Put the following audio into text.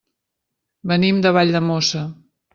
Venim de Valldemossa.